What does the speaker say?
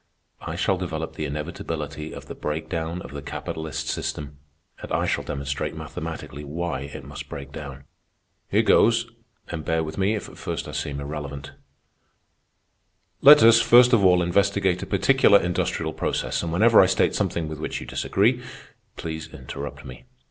I shall develop the inevitability of the breakdown of the capitalist system, and I shall demonstrate mathematically why it must break down. Here goes, and bear with me if at first I seem irrelevant. "Let us, first of all, investigate a particular industrial process, and whenever I state something with which you disagree, please interrupt me.